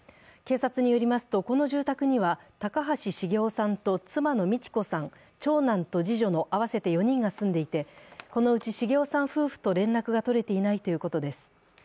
警察によりますと、この住宅には高橋重雄さんと妻の美智子さん、長男と次女の合わせて４人が住んでいて、このうち重雄さん夫婦と連絡が取れていないということです。